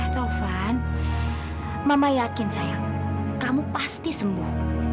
taufan mama yakin sayang kamu pasti sembuh